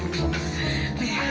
cepet dulu ya